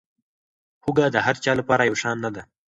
هوږه د هر چا لپاره یو شان نه ده.